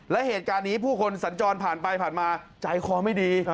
และเหตุการณ์นี้ผู้คนสัญจรผ่านไปผ่านมาใจคอไม่ดี